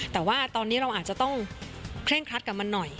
แต่ว่าตอนนี้เราอาจจะต้องเคร่งครัดกับมันหน่อย